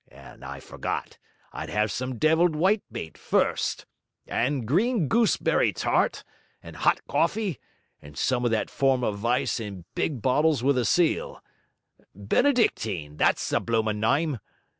and I forgot, I'd 'ave some devilled whitebait first and green gooseberry tart, and 'ot coffee, and some of that form of vice in big bottles with a seal Benedictine that's the bloomin' nyme!